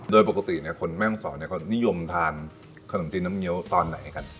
โดยปกติคนแม่ห้องศรเขานิยมทานขนมจีนน้ำเงี้ยวตอนไหนกัน